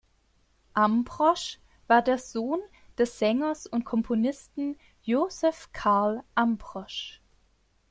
Ambrosch war der Sohn des Sängers und Komponisten Josef Karl Ambrosch.